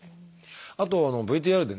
あとＶＴＲでね